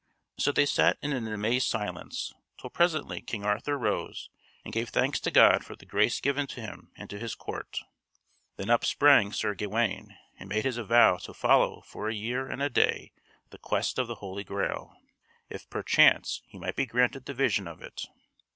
So they sat in an amazed silence, till presently King Arthur rose and gave thanks to God for the grace given to him and to his court. Then up sprang Sir Gawain and made his avow to follow for a year and a day the Quest of the Holy Grail, if perchance he might be granted the vision of it.